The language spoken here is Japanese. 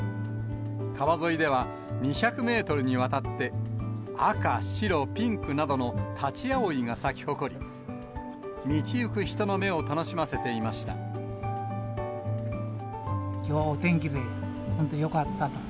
川沿いでは２００メートルにわたって赤、白、ピンクなどのタチアオイが咲き誇り、道行く人の目を楽しませていきょうはお天気で、本当よかったと。